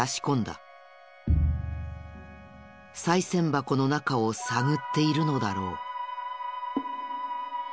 さい銭箱の中を探っているのだろう。